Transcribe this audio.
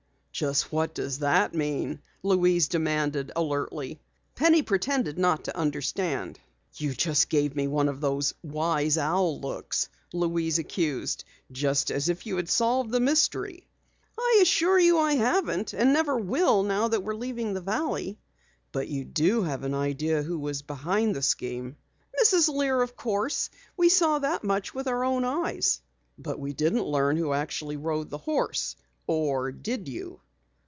"Just what does that mean?" Louise demanded alertly. Penny pretended not to understand. "You gave me one of those wise owl looks!" Louise accused. "Just as if you had solved the mystery." "I assure you I haven't, and never will now that we're leaving the valley." "But you do have an idea who was back of the scheme?" "Mrs. Lear, of course. We saw that much with our own eyes." "But we didn't learn who actually rode the horse. Or did you?"